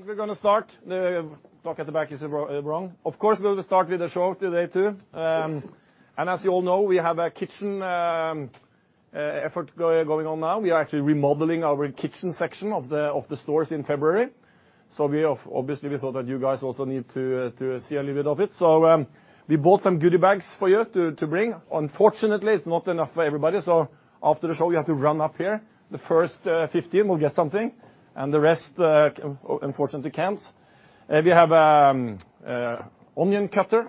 I think we're going to start. The talk at the back is wrong. Of course, we'll start with a show today, too. As you all know, we have a kitchen effort going on now. We are actually remodeling our kitchen section of the stores in February. Obviously, we thought that you guys also need to see a little bit of it. We bought some goodie bags for you to bring. Unfortunately, it's not enough for everybody, so after the show, you have to run up here. The first 15 will get something, and the rest, unfortunately, can't. We have an onion cutter,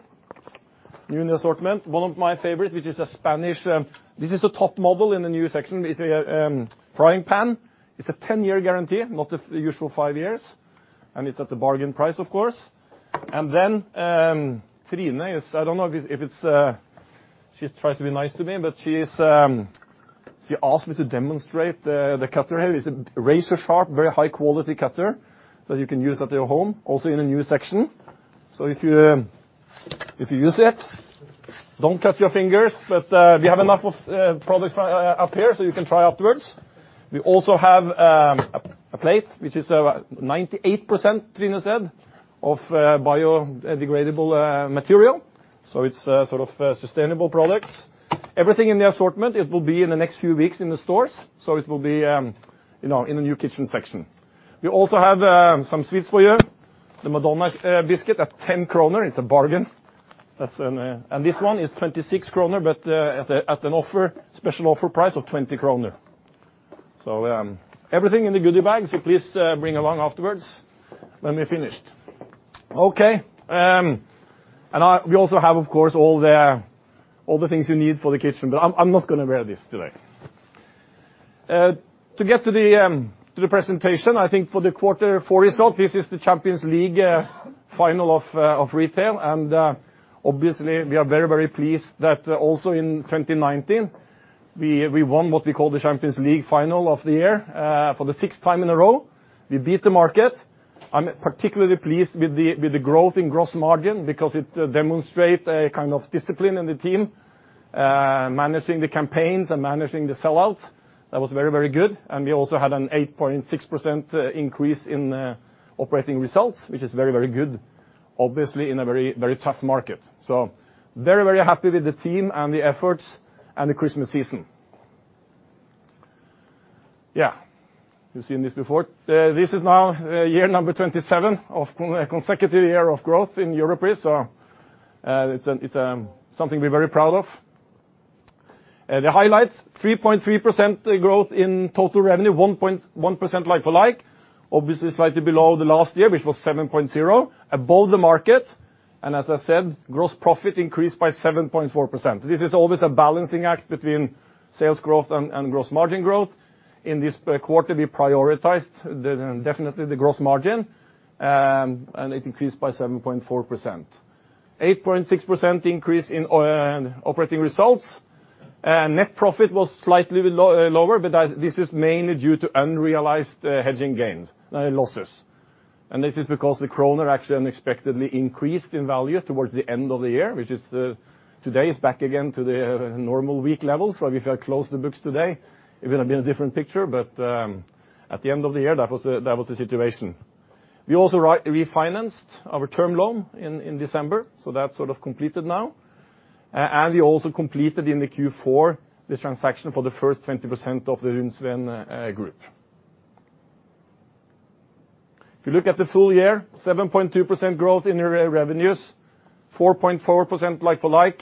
new in the assortment. One of my favorite, this is a top model in the new section. It's a frying pan. It's a 10-year guarantee, not the usual five years. It's at the bargain price, of course. Trine is, I don't know if she tries to be nice to me, but she asked me to demonstrate the cutter here. It is razor sharp, very high-quality cutter that you can use at your home, also in a new section. If you use it, don't cut your fingers. We have enough of products up here so you can try afterwards. We also have a plate, which is 98%, Trine said, of biodegradable material. It's sort of sustainable products. Everything in the assortment, it will be in the next few weeks in the stores, so it will be in the new kitchen section. We also have some sweets for you, the Madonna biscuit at 10 kroner. It's a bargain. This one is 26 kroner, but at an special offer price of 20 kroner. Everything in the goodie bag, so please bring along afterwards when we're finished. Okay. We also have, of course, all the things you need for the kitchen, but I'm not going to wear this today. To get to the presentation, I think for the quarter four result, this is the Champions League final of retail, and obviously we are very, very pleased that also in 2019, we won what we call the Champions League final of the year for the sixth time in a row. We beat the market. I'm particularly pleased with the growth in gross margin because it demonstrate a kind of discipline in the team, managing the campaigns and managing the sell-outs. That was very, very good. We also had an 8.6% increase in operating results, which is very, very good, obviously in a very, very tough market. Very, very happy with the team and the efforts and the Christmas season. You've seen this before. This is now year number 27 of consecutive year of growth in Europris. It's something we're very proud of. The highlights, 3.3% growth in total revenue, 1.1% like-for-like. Obviously, slightly below the last year, which was 7.0%, above the market. As I said, gross profit increased by 7.4%. This is always a balancing act between sales growth and gross margin growth. In this quarter, we prioritized definitely the gross margin, and it increased by 7.4%. 8.6% increase in operating results. Net profit was slightly lower, but this is mainly due to unrealized hedging losses. This is because the kroner actually unexpectedly increased in value towards the end of the year, which today is back again to the normal weak level. If I close the books today, it will have been a different picture, but at the end of the year, that was the situation. We also refinanced our term loan in December, so that's sort of completed now. We also completed in the Q4, the transaction for the first 20% of the Runsvengruppen. If you look at the full year, 7.2% growth in revenues, 4.4% like-for-like.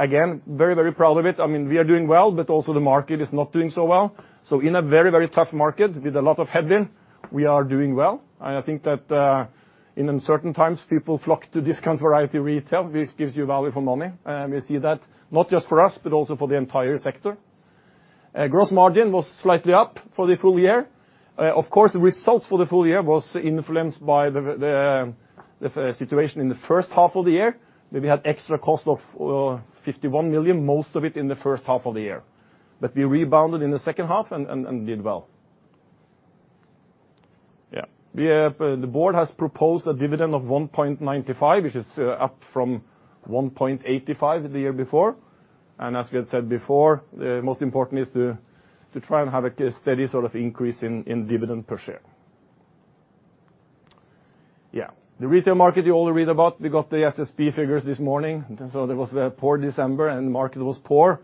Again, very, very proud of it. I mean, we are doing well, but also the market is not doing so well. In a very, very tough market with a lot of headwind, we are doing well. I think that in uncertain times, people flock to discount variety retail, which gives you value for money. We see that not just for us, but also for the entire sector. Gross margin was slightly up for the full year. Of course, the results for the full year was influenced by the situation in the first half of the year, where we had extra cost of 51 million, most of it in the first half of the year. We rebounded in the second half and did well. Yeah. The board has proposed a dividend of 1.95, which is up from 1.85 the year before. As we had said before, the most important is to try and have a steady sort of increase in dividend per share. Yeah. The retail market you all read about, we got the SSB figures this morning. There was a poor December and the market was poor.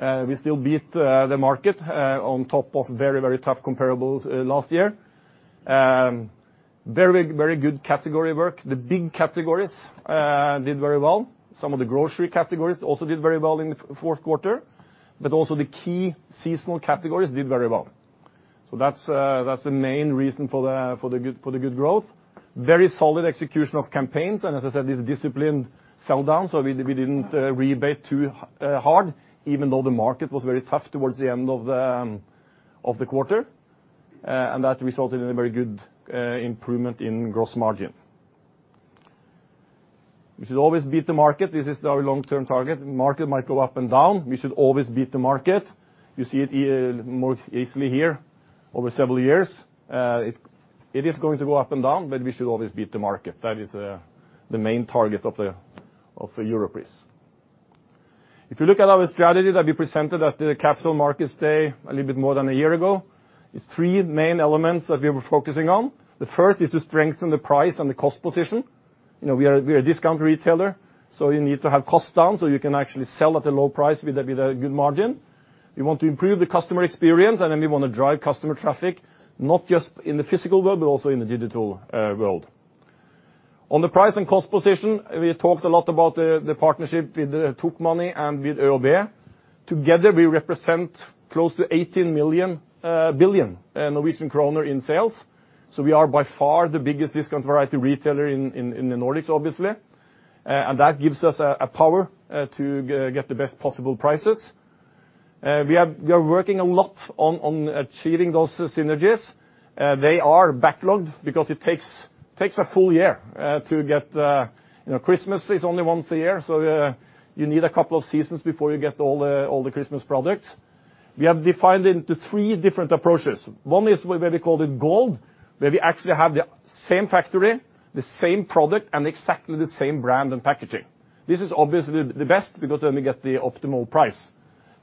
We still beat the market on top of very, very tough comparables last year. Very good category work. The big categories did very well. Some of the grocery categories also did very well in the fourth quarter, but also the key seasonal categories did very well. That's the main reason for the good growth. Very solid execution of campaigns, and as I said, this disciplined sell-down, so we didn't rebate too hard even though the market was very tough towards the end of the quarter. That resulted in a very good improvement in gross margin. We should always beat the market. This is our long-term target. Market might go up and down. We should always beat the market. You see it more easily here over several years. It is going to go up and down, but we should always beat the market. That is the main target of Europris. If you look at our strategy that we presented at the Capital Markets Day a little bit more than a year ago, there's three main elements that we were focusing on. The first is to strengthen the price and the cost position. We are a discount retailer, so you need to have costs down so you can actually sell at a low price with a good margin. We want to improve the customer experience, and then we want to drive customer traffic, not just in the physical world, but also in the digital world. On the price and cost position, we talked a lot about the partnership with Tokmanni and with ÖoB. Together, we represent close to 18 billion Norwegian kroner in sales. We are by far the biggest discount variety retailer in the Nordics, obviously. That gives us a power to get the best possible prices. We are working a lot on achieving those synergies. They are backlogged because it takes a full year to get Christmas is only once a year, so you need a couple of seasons before you get all the Christmas products. We have defined into three different approaches. One is where we called it gold, where we actually have the same factory, the same product, and exactly the same brand and packaging. This is obviously the best because then we get the optimal price.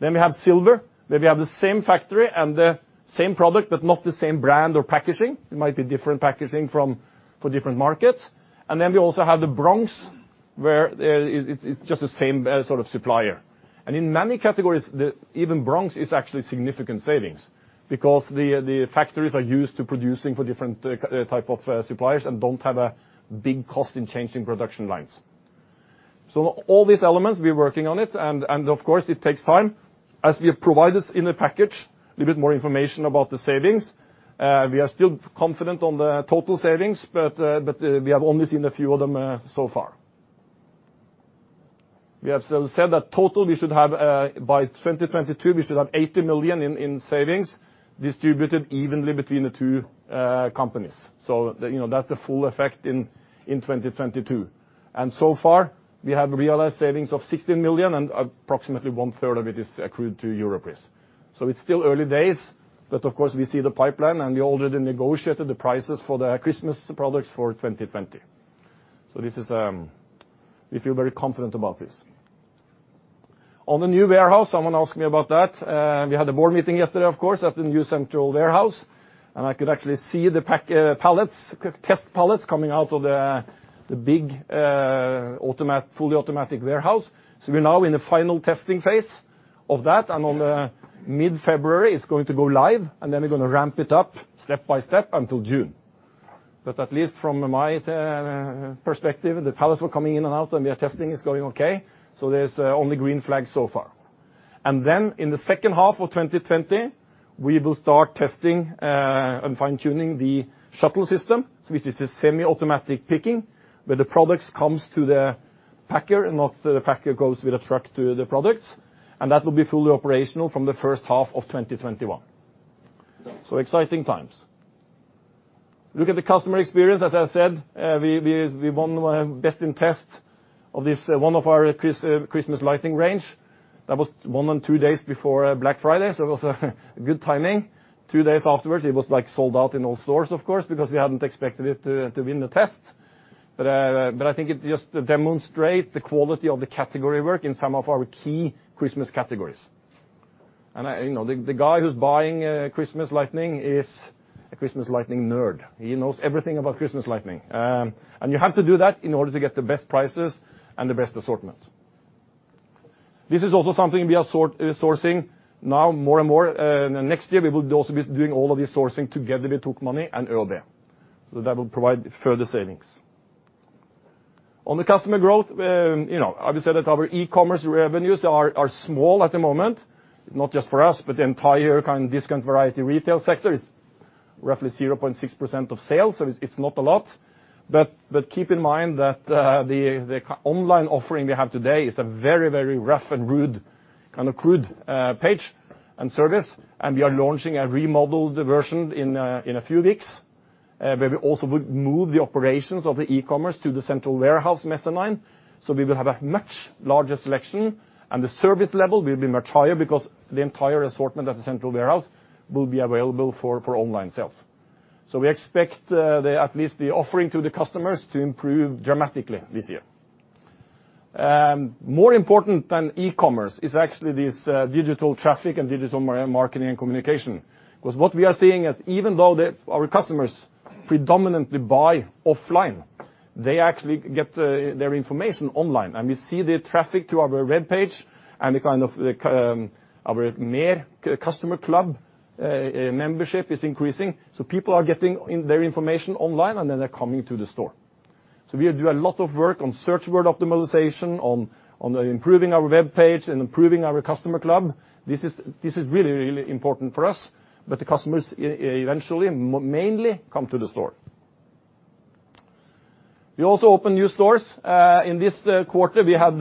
We have silver, where we have the same factory and the same product, but not the same brand or packaging. It might be different packaging for different markets. We also have the bronze, where it's just the same sort of supplier. In many categories, even bronze is actually significant savings because the factories are used to producing for different type of suppliers and don't have a big cost in changing production lines. All these elements, we are working on it, and of course, it takes time. As we have provided in the package, a little bit more information about the savings. We are still confident on the total savings, but we have only seen a few of them so far. We have said that total, by 2022, we should have 80 million in savings distributed evenly between the two companies. That's the full effect in 2022. So far, we have realized savings of 16 million, and approximately one third of it is accrued to Europris. It's still early days, but of course, we see the pipeline and we already negotiated the prices for the Christmas products for 2020. We feel very confident about this. On the new warehouse, someone asked me about that. We had a board meeting yesterday, of course, at the new central warehouse, and I could actually see the test pallets coming out of the big, fully automatic warehouse. We're now in the final testing phase of that, and on the mid-February, it's going to go live, and then we're going to ramp it up step by step until June. At least from my perspective, the pallets were coming in and out, and the testing is going okay, so there's only green flags so far. In the second half of 2020, we will start testing and fine-tuning the shuttle system, which is a semi-automatic picking, where the products comes to the packer and not the packer goes with a truck to the products. That will be fully operational from the first half of 2021. Exciting times. Look at the customer experience. As I said, we won best in test of this one of our Christmas lighting range. That was won on two days before Black Friday, it was good timing. Two days afterwards, it was sold out in all stores, of course, because we hadn't expected it to win the test. I think it just demonstrate the quality of the category work in some of our key Christmas categories. The guy who's buying Christmas lightning is a Christmas lightning nerd. He knows everything about Christmas lightning. You have to do that in order to get the best prices and the best assortment. This is also something we are sourcing now more and more. Next year, we will also be doing all of the sourcing together with Tokmanni and ÖoB. That will provide further savings. On the customer growth, obviously, that our e-commerce revenues are small at the moment, not just for us, but the entire discount variety retail sector is roughly 0.6% of sales, so it's not a lot. Keep in mind that the online offering we have today is a very, very rough and rude, kind of crude page and service, and we are launching a remodeled version in a few weeks, where we also would move the operations of the e-commerce to the central warehouse, Mesterlinjen. We will have a much larger selection, and the service level will be much higher because the entire assortment at the central warehouse will be available for online sales. We expect at least the offering to the customers to improve dramatically this year. More important than e-commerce is actually this digital traffic and digital marketing and communication. What we are seeing is even though our customers predominantly buy offline, they actually get their information online. We see the traffic to our web page and our MER customer club membership is increasing. People are getting their information online, and then they're coming to the store. We do a lot of work on search word optimization, on improving our web page, and improving our customer club. This is really, really important for us. The customers eventually mainly come to the store. We also open new stores. In this quarter, we had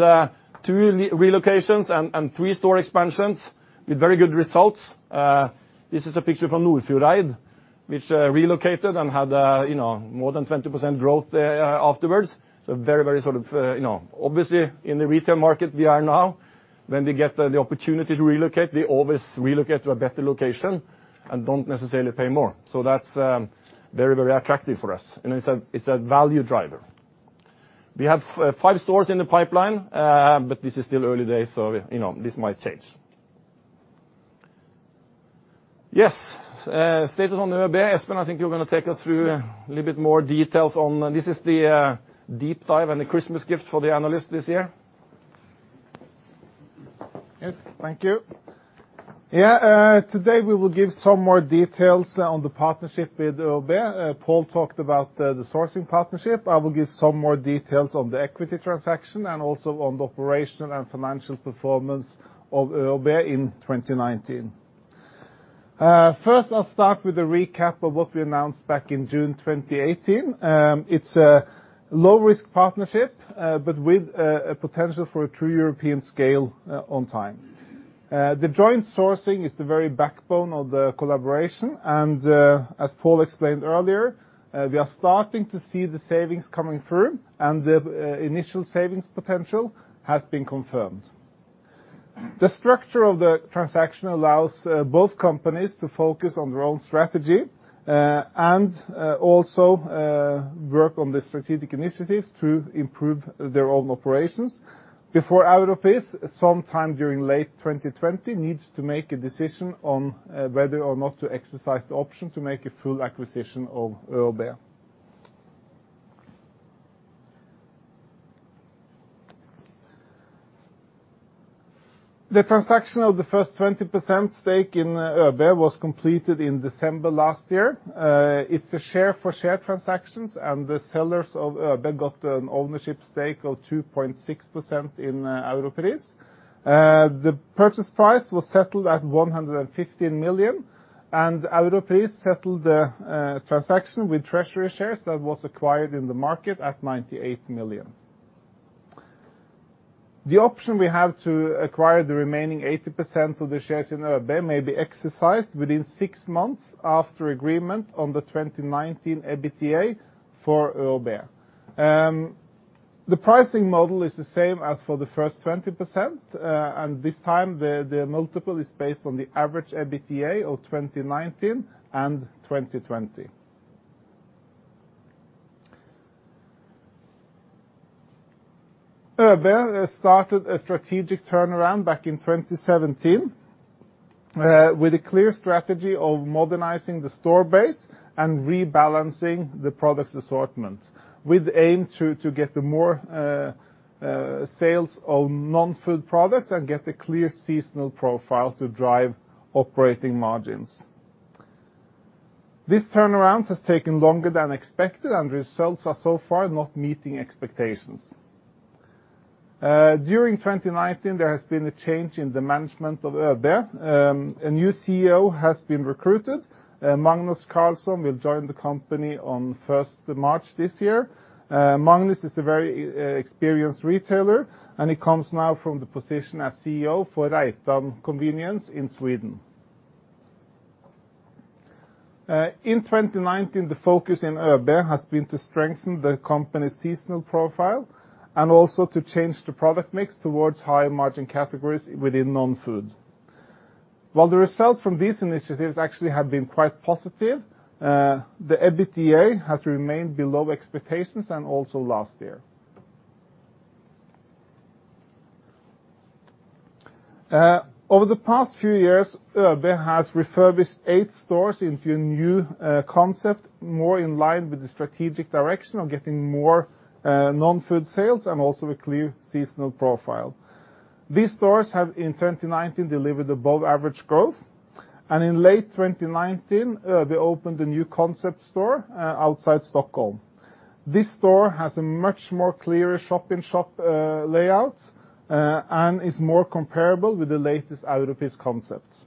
two relocations and three store expansions with very good results. This is a picture from Nordfjordeid, which relocated and had more than 20% growth afterwards. Obviously, in the retail market we are now, when we get the opportunity to relocate, we always relocate to a better location and don't necessarily pay more. That's very, very attractive for us, and it's a value driver. We have five stores in the pipeline, but this is still early days, so this might change. Yes. Status on ÖoB. Espen, I think you're going to take us through a little bit more details. This is the deep dive and the Christmas gift for the analysts this year. Yes. Thank you. Today we will give some more details on the partnership with ÖoB. Pål talked about the sourcing partnership. I will give some more details on the equity transaction and also on the operational and financial performance of ÖoB in 2019. First, I'll start with a recap of what we announced back in June 2018. It's a low-risk partnership, but with a potential for a true European scale on time. The joint sourcing is the very backbone of the collaboration, and, as Pål explained earlier, we are starting to see the savings coming through and the initial savings potential has been confirmed. The structure of the transaction allows both companies to focus on their own strategy and also work on the strategic initiatives to improve their own operations before Europris, sometime during late 2020, needs to make a decision on whether or not to exercise the option to make a full acquisition of ÖoB. The transaction of the first 20% stake in ÖoB was completed in December last year. It's a share-for-share transactions and the sellers of ÖoB got an ownership stake of 2.6% in Europris. The purchase price was settled at 115 million and Europris settled the transaction with treasury shares that was acquired in the market at 98 million. The option we have to acquire the remaining 80% of the shares in ÖoB may be exercised within six months after agreement on the 2019 EBITDA for ÖoB. The pricing model is the same as for the first 20%. This time the multiple is based on the average EBITDA of 2019 and 2020. ÖoB started a strategic turnaround back in 2017 with a clear strategy of modernizing the store base and rebalancing the product assortment with aim to get the more sales of non-food products and get a clear seasonal profile to drive operating margins. This turnaround has taken longer than expected. Results are so far not meeting expectations. During 2019, there has been a change in the management of ÖoB. A new CEO has been recruited. Magnus Carlén will join the company on 1st of March this year. Magnus is a very experienced retailer. He comes now from the position as CEO for Reitan Convenience in Sweden. In 2019, the focus in ÖoB has been to strengthen the company's seasonal profile and also to change the product mix towards higher margin categories within non-food. While the results from these initiatives actually have been quite positive, the EBITDA has remained below expectations and also last year. Over the past few years, ÖoB has refurbished eight stores into a new concept, more in line with the strategic direction of getting more non-food sales and also a clear seasonal profile. These stores have, in 2019, delivered above average growth, and in late 2019, ÖoB opened a new concept store outside Stockholm. This store has a much more clearer shop-in-shop layout and is more comparable with the latest Europris concepts.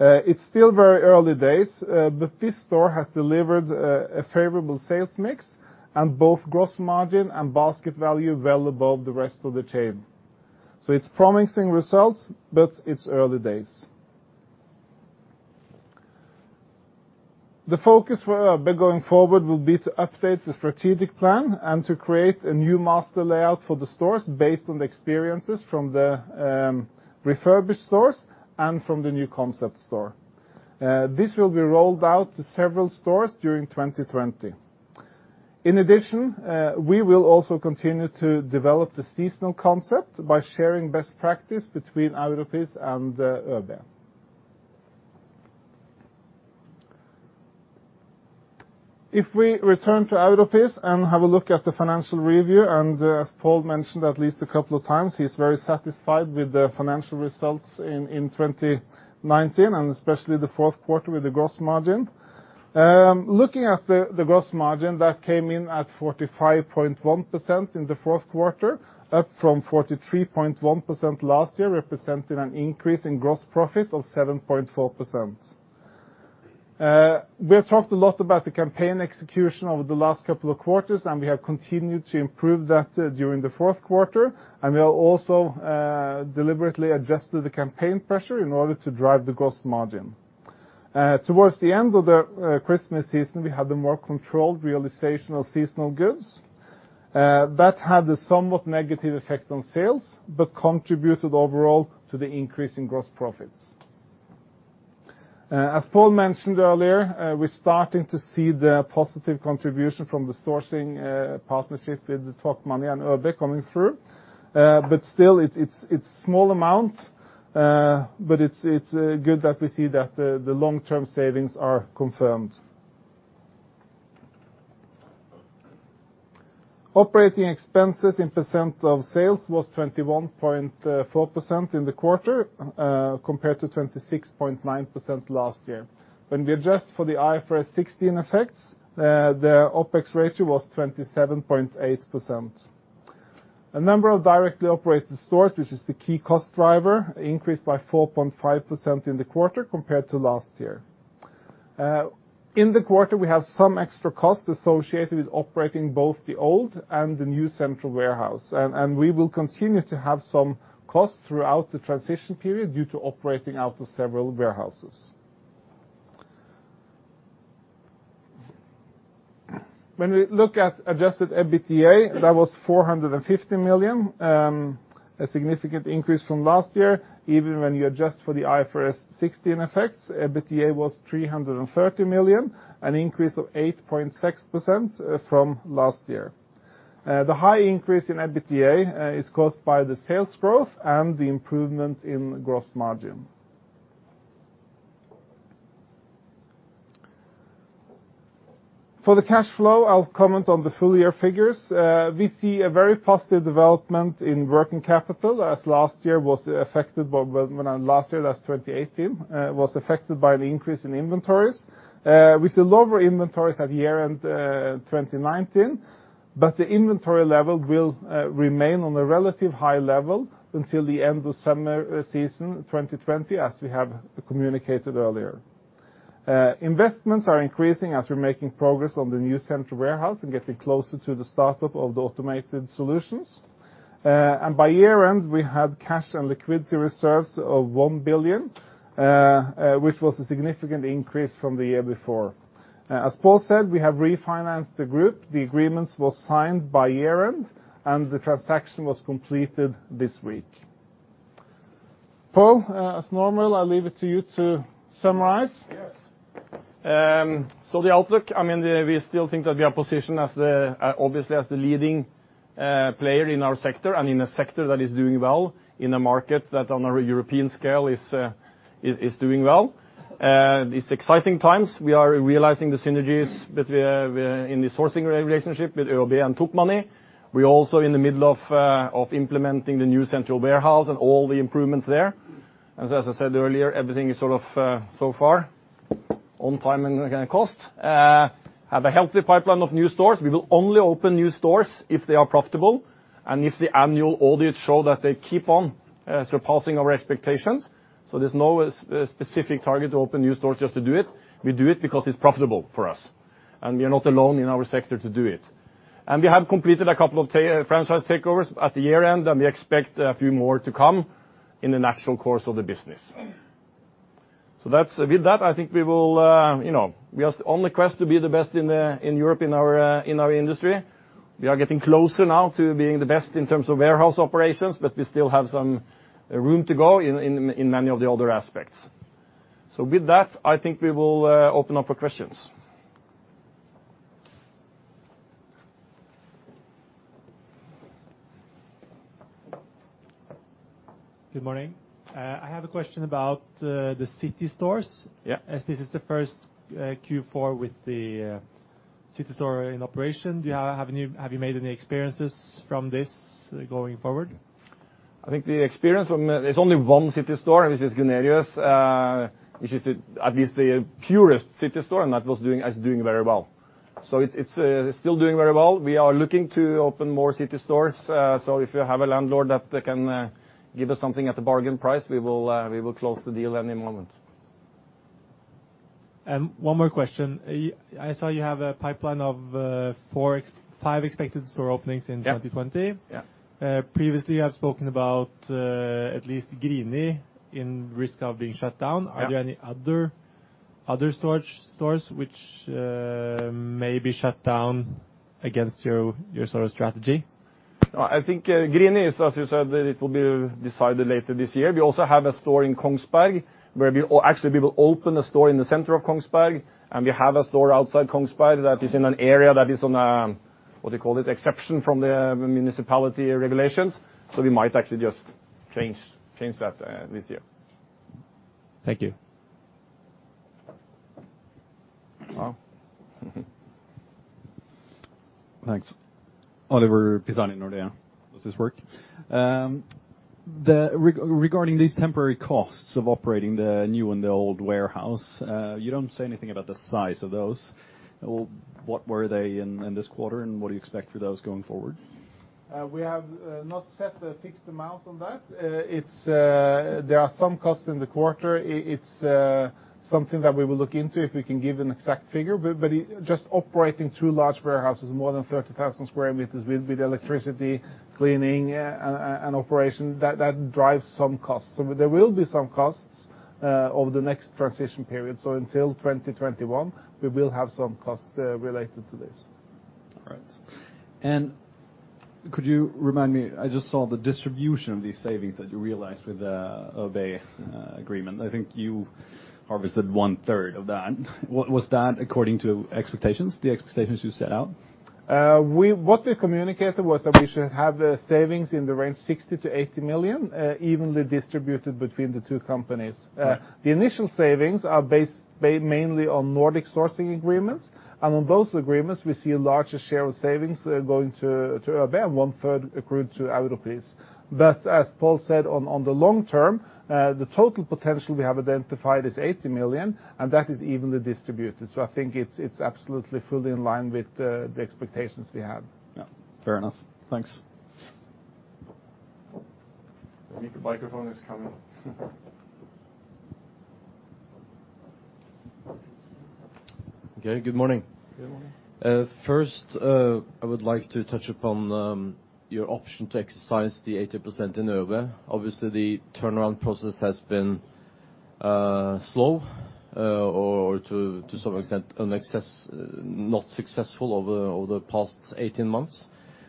It's still very early days, but this store has delivered a favorable sales mix and both gross margin and basket value well above the rest of the chain. It's promising results, but it's early days. The focus for ÖoB going forward will be to update the strategic plan and to create a new master layout for the stores based on the experiences from the refurbished stores and from the new concept store. This will be rolled out to several stores during 2020. In addition, we will also continue to develop the seasonal concept by sharing best practice between Europris and ÖoB. If we return to Europris and have a look at the financial review, and as Pål mentioned at least a couple of times, he's very satisfied with the financial results in 2019 and especially the fourth quarter with the gross margin. Looking at the gross margin, that came in at 45.1% in the fourth quarter, up from 43.1% last year, representing an increase in gross profit of 7.4%. We have talked a lot about the campaign execution over the last couple of quarters, and we have continued to improve that during the fourth quarter, and we have also deliberately adjusted the campaign pressure in order to drive the gross margin. Towards the end of the Christmas season, we had the more controlled realization of seasonal goods. That had a somewhat negative effect on sales, but contributed overall to the increase in gross profits. As Pål mentioned earlier, we're starting to see the positive contribution from the sourcing partnership with Tokmanni and ÖoB coming through. Still, it's a small amount, but it's good that we see that the long-term savings are confirmed. Operating expenses in % of sales was 21.4% in the quarter compared to 26.9% last year. When we adjust for the IFRS 16 effects, the OpEx ratio was 27.8%. A number of directly operated stores, which is the key cost driver, increased by 4.5% in the quarter compared to last year. In the quarter, we have some extra costs associated with operating both the old and the new central warehouse, and we will continue to have some costs throughout the transition period due to operating out of several warehouses. When we look at Adjusted EBITDA, that was 450 million, a significant increase from last year. Even when you adjust for the IFRS 16 effects, EBITDA was 330 million, an increase of 8.6% from last year. The high increase in EBITDA is caused by the sales growth and the improvement in gross margin. For the cash flow, I'll comment on the full-year figures. We see a very positive development in working capital, as last year, that's 2018, was affected by an increase in inventories. We see lower inventories at year-end 2019, but the inventory level will remain on a relatively high level until the end of summer season 2020, as we have communicated earlier. Investments are increasing as we're making progress on the new central warehouse and getting closer to the start-up of the automated solutions. By year-end, we had cash and liquidity reserves of 1 billion, which was a significant increase from the year before. As Pål said, we have refinanced the group. The agreements were signed by year-end, and the transaction was completed this week. Pål, as normal, I leave it to you to summarize. Yes. The outlook, we still think that we are positioned, obviously, as the leading player in our sector and in a sector that is doing well in a market that on a European scale is doing well. It's exciting times. We are realizing the synergies in the sourcing relationship with ÖoB and Tokmanni. We're also in the middle of implementing the new central warehouse and all the improvements there. As I said earlier, everything is so far on time and cost. We have a healthy pipeline of new stores. We will only open new stores if they are profitable and if the annual audits show that they keep on surpassing our expectations. There's no specific target to open new stores just to do it. We do it because it's profitable for us, and we are not alone in our sector to do it. We have completed a couple of franchise takeovers at the year-end, and we expect a few more to come in the natural course of the business. With that, I think we are on the quest to be the best in Europe in our industry. We are getting closer now to being the best in terms of warehouse operations, but we still have some room to go in many of the other aspects. With that, I think we will open up for questions. Good morning. I have a question about the City stores. Yeah. As this is the first Q4 with the city store in operation, have you made any experiences from this going forward? I think the experience from there's only one city store, which is Gunerius, which is at least the purest city store, and that is doing very well. It's still doing very well. We are looking to open more city stores. If you have a landlord that can give us something at a bargain price, we will close the deal any moment. One more question. I saw you have a pipeline of five expected store openings in 2020. Yeah. Previously, you have spoken about at least Grini in risk of being shut down. Yeah. Are there any other stores which may be shut down against your store strategy? I think Grini is, as you said, that it will be decided later this year. We also have a store in Kongsberg, where actually we will open a store in the center of Kongsberg, and we have a store outside Kongsberg that is in an area that is on a, what do you call it, exception from the municipality regulations. We might actually just change that this year. Thank you. Pål? Thanks. Oliver Pisani, Nordea. Does this work? Regarding these temporary costs of operating the new and the old warehouse, you don't say anything about the size of those. What were they in this quarter, and what do you expect for those going forward? We have not set a fixed amount on that. There are some costs in the quarter. It's something that we will look into if we can give an exact figure. Just operating two large warehouses, more than 30,000 sq m with electricity, cleaning, and operation, that drives some costs. There will be some costs over the next transition period. Until 2021, we will have some costs related to this. All right. Could you remind me, I just saw the distribution of these savings that you realized with the ÖoB agreement. I think you harvested one-third of that. Was that according to expectations, the expectations you set out? What we communicated was that we should have the savings in the range 60 million-80 million, evenly distributed between the two companies. Right. The initial savings are based mainly on Nordic sourcing agreements. On those agreements, we see a larger share of savings going to ÖoB, one-third accrued to Europris. As Pål said, on the long term, the total potential we have identified is 80 million, and that is evenly distributed. I think it's absolutely fully in line with the expectations we have. Yeah. Fair enough. Thanks. I think the microphone is coming. Okay, good morning. Good morning. First, I would like to touch upon your option to exercise the 80% in ÖoB. Obviously, the turnaround process has been slow, or to some extent, not successful over the past 18 months.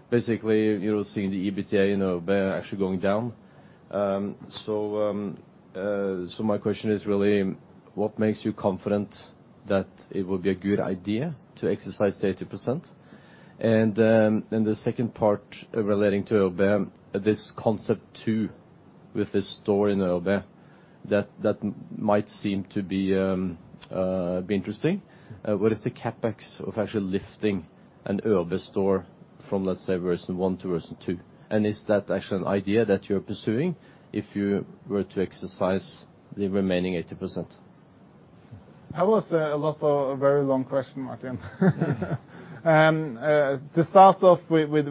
Basically, you're seeing the EBITDA in ÖoB actually going down. My question is really, what makes you confident that it will be a good idea to exercise the 80%? The second part relating to ÖoB, this concept too, with the store in ÖoB that might seem to be interesting. What is the CapEx of actually lifting an ÖoB store from, let's say, version 1 to version 2? Is that actually an idea that you're pursuing if you were to exercise the remaining 80%? That was a very long question, Martin. To start off with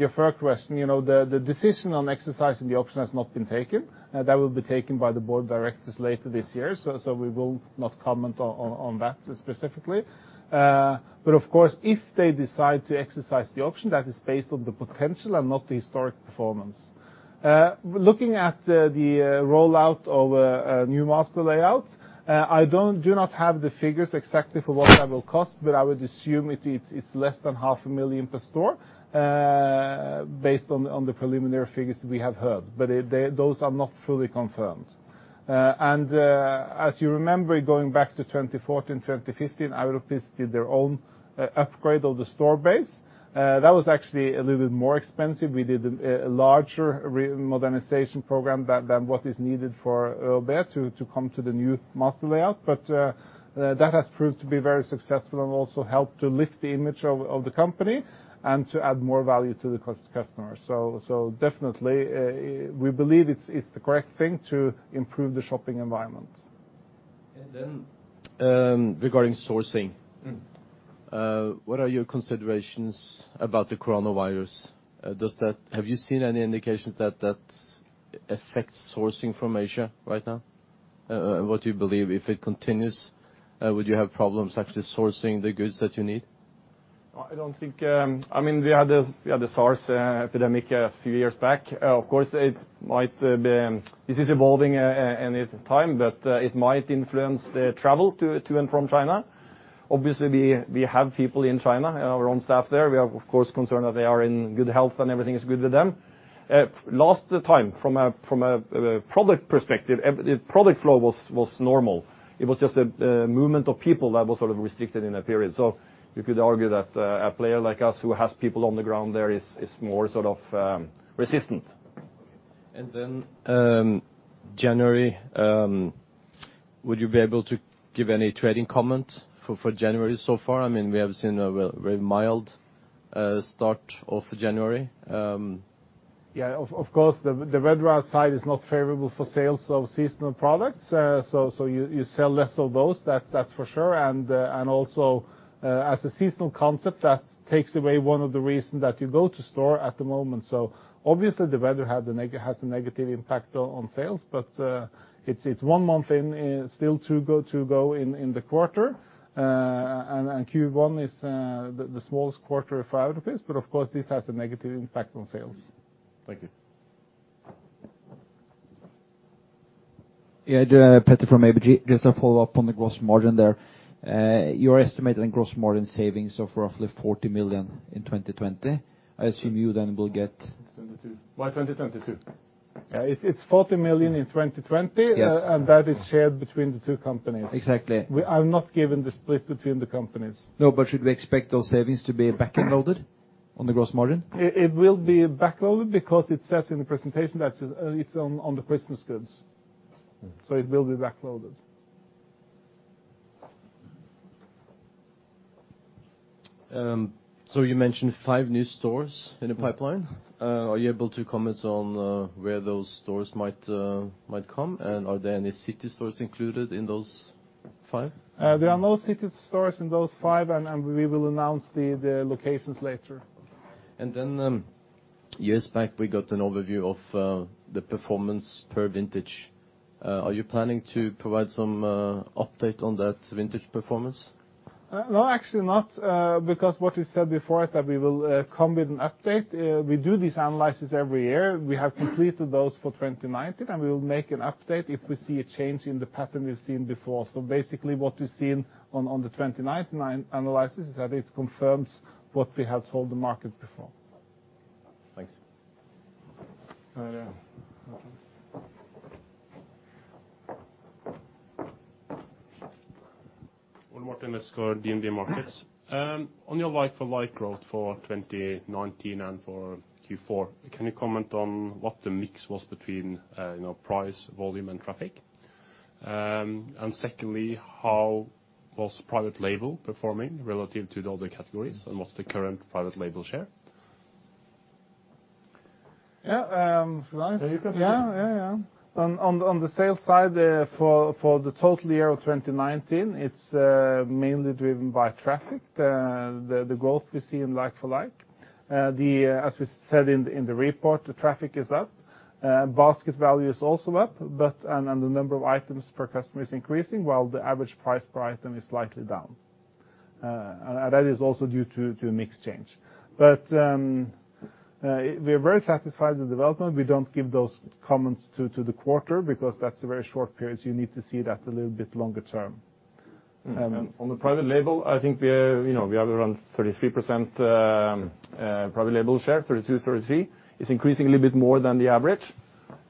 your first question, the decision on exercising the option has not been taken. That will be taken by the board of directors later this year. We will not comment on that specifically. Of course, if they decide to exercise the option, that is based on the potential and not the historic performance. Looking at the rollout of a new master layout, I do not have the figures exactly for what that will cost, but I would assume it's less than half a million per store, based on the preliminary figures we have heard. Those are not fully confirmed. As you remember, going back to 2014, 2015, Europris did their own upgrade of the store base. That was actually a little bit more expensive. We did a larger modernization program than what is needed for ÖoB to come to the new master layout. That has proved to be very successful and also helped to lift the image of the company and to add more value to the customer. Definitely, we believe it's the correct thing to improve the shopping environment. Regarding sourcing. What are your considerations about the coronavirus? Have you seen any indications that that affects sourcing from Asia right now? What do you believe if it continues, would you have problems actually sourcing the goods that you need? I don't think we had the SARS epidemic a few years back. Of course, this is evolving in time, but it might influence the travel to and from China. Obviously, we have people in China, our own staff there. We are, of course, concerned that they are in good health and everything is good with them. Last time, from a product perspective, the product flow was normal. It was just the movement of people that was sort of restricted in a period. You could argue that a player like us who has people on the ground there is more sort of resistant. Okay. January, would you be able to give any trading comment for January so far? We have seen a very mild start of January. Yeah, of course, the weather outside is not favorable for sales of seasonal products, so you sell less of those. That's for sure. As a seasonal concept, that takes away one of the reasons that you go to store at the moment. Obviously, the weather has a negative impact on sales. It's one month in, still two to go in the quarter. Q1 is the smallest quarter for Europris. Of course, this has a negative impact on sales. Thank you. Yeah. Petter from ABG. Just a follow-up on the gross margin there. You are estimating gross margin savings of roughly 40 million in 2020. I assume you then will get- By 2022. It's 40 million in 2020. Yes. That is shared between the two companies. Exactly. I've not given the split between the companies. No, should we expect those savings to be back-end loaded on the gross margin? It will be back loaded because it says in the presentation that it's on the Christmas goods. It will be back loaded. You mentioned five new stores in the pipeline. Are you able to comment on where those stores might come? Are there any city stores included in those five? There are no city stores in those five, and we will announce the locations later. Years back, we got an overview of the performance per vintage. Are you planning to provide some update on that vintage performance? No, actually not, because what we said before is that we will come with an update. We do this analysis every year. We have completed those for 2019, and we will make an update if we see a change in the pattern we've seen before. Basically, what we've seen on the 2019 analysis is that it confirms what we have told the market before. Thanks. Okay Ole Morten Næss, DNB Markets. On your like-for-like growth for 2019 and for Q4, can you comment on what the mix was between price, volume, and traffic? Secondly, how was private label performing relative to the other categories, and what's the current private label share? Yeah. You can take it. Yeah. On the sales side, for the total year of 2019, it's mainly driven by traffic, the growth we see in like-for-like. As we said in the report, the traffic is up. Basket value is also up, and the number of items per customer is increasing while the average price per item is slightly down. That is also due to a mix change. We are very satisfied with the development. We don't give those comments to the quarter because that's a very short period, so you need to see that a little bit longer term. On the private label, I think we have around 33% private label share, 32, 33. It's increasing a little bit more than the average.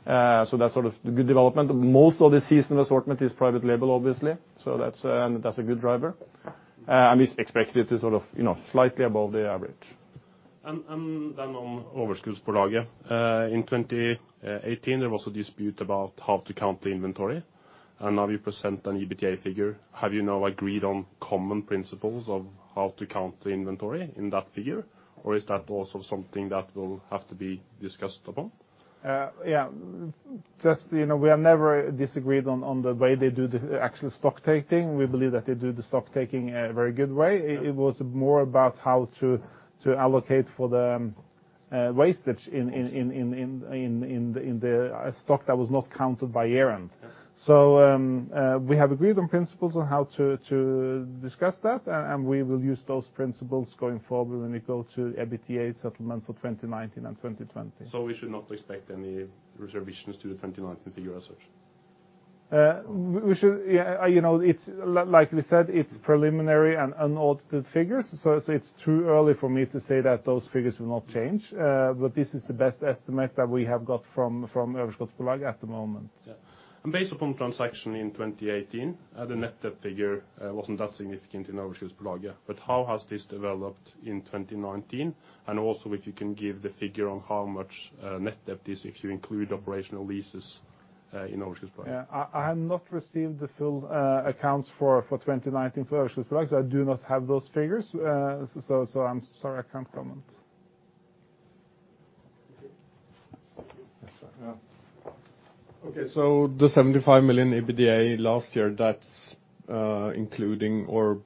That's good development. Most of the seasonal assortment is private label, obviously. That's a good driver, and is expected to be slightly above the average. On ÖoB. In 2018, there was a dispute about how to count the inventory, and now you present an EBITDA figure. Have you now agreed on common principles of how to count the inventory in that figure? Is that also something that will have to be discussed upon? We have never disagreed on the way they do the actual stock taking. We believe that they do the stock taking a very good way. It was more about how to allocate for the wastage in the stock that was not counted by year-end. Yeah. We have agreed on principles on how to discuss that, and we will use those principles going forward when we go to EBITDA settlement for 2019 and 2020. We should not expect any reservations to the 2019 figures as such? We said, it's preliminary and unaudited figures, so it's too early for me to say that those figures will not change. This is the best estimate that we have got from ÖoB at the moment. Yeah. Based upon transaction in 2018, the net debt figure wasn't that significant in ÖoB. How has this developed in 2019, and also, if you can give the figure on how much net debt is if you include operational leases in ÖoB. I have not received the full accounts for 2019 for ÖoB. I do not have those figures. I'm sorry, I can't comment. Okay. The 75 million EBITDA last year, that's including or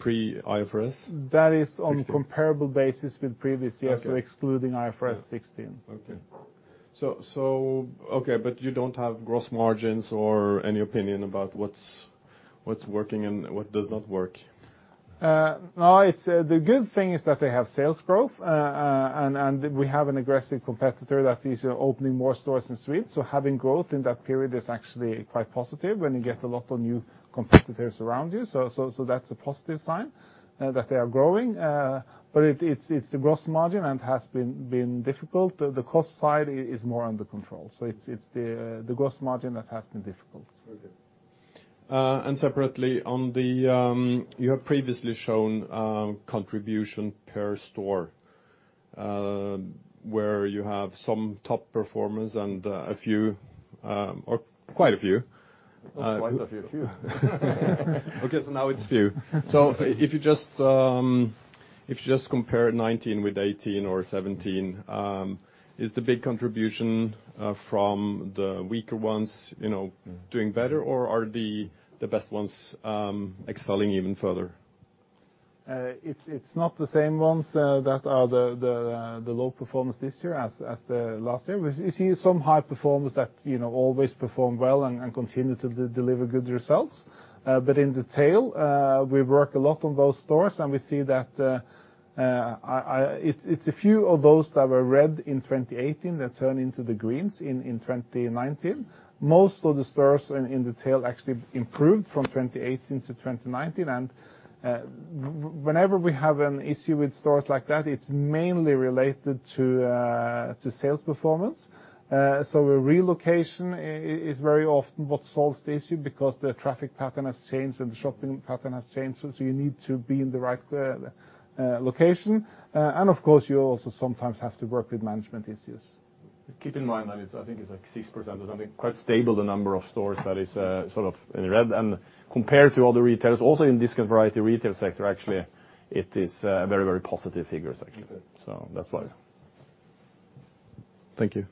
pre-IFRS? That is on comparable basis with previous years, so excluding IFRS 16. Okay. You don't have gross margins or any opinion about what's working and what does not work? The good thing is that they have sales growth, and we have an aggressive competitor that is opening more stores in Sweden. Having growth in that period is actually quite positive when you get a lot of new competitors around you. That's a positive sign that they are growing. It's the gross margin and has been difficult. The cost side is more under control. It's the gross margin that has been difficult. Okay. Separately, you have previously shown contribution per store, where you have some top performers and a few, or quite a few. Not quite a few. A few. Okay, now it's a few. If you just compare 2019 with 2018 or 2017, is the big contribution from the weaker ones doing better, or are the best ones excelling even further? It's not the same ones that are the low performers this year as the last year. We see some high performers that always performed well and continue to deliver good results. In detail, we've worked a lot on those stores, and we see that it's a few of those that were red in 2018 that turn into the greens in 2019. Most of the stores in detail actually improved from 2018-2019. Whenever we have an issue with stores like that, it's mainly related to sales performance. A relocation is very often what solves the issue because the traffic pattern has changed, and the shopping pattern has changed. You need to be in the right location. Of course, you also sometimes have to work with management issues. Keep in mind that I think it's like 6% or something, quite stable the number of stores that is in the red. Compared to other retailers, also in discount variety retail sector, actually, it is a very positive figure, actually. That's why. Thank you.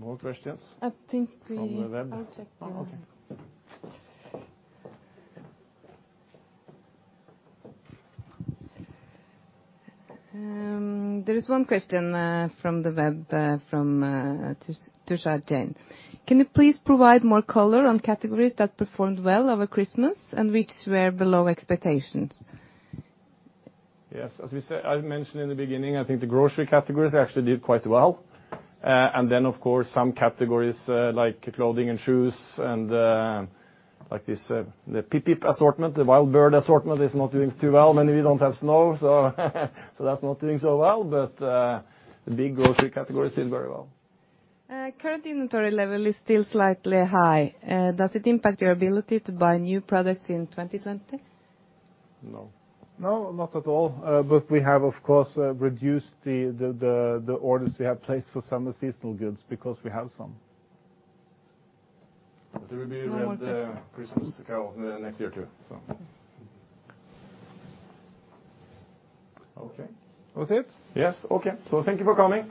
More questions? I think. From the web? I'll check. Okay. There is one question from the web from Tushar Jain. "Can you please provide more color on categories that performed well over Christmas and which were below expectations? Yes, as I mentioned in the beginning, I think the grocery categories actually did quite well. Then, of course, some categories like clothing and shoes and the Pip-pip assortment, the wild bird assortment is not doing too well. Many we don't have snow, so that's not doing so well. The big grocery categories did very well. Current inventory level is still slightly high. Does it impact your ability to buy new products in 2020? No. No, not at all. We have, of course, reduced the orders we have placed for some seasonal goods because we have some. No more questions. There will be the Christmas to come next year, too. Okay. That's it? Yes. Okay. Thank you for coming.